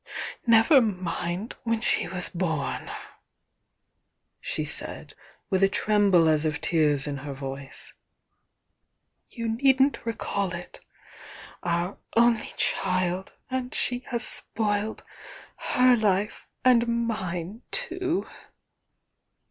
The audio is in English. "Never mind when she was born!" she said, with a tremble as of tears in her voice. "You needn't re caU it! Our only child!— and she has spoilt her hfe and mine too!"